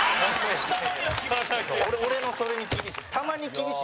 粗品：俺のそれに厳しい。